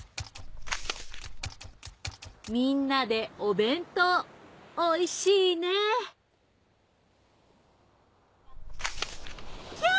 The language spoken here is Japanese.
みんなでおべんとうおいしいねきゃ